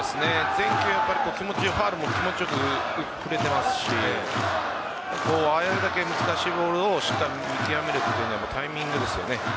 前球、気持ち良くバットも振れていますしあれだけ難しいボールをしっかり見極めるのはタイミングですよね